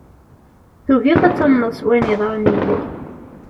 Tugiḍ ad tamneḍ s wayen yeḍran yid-k.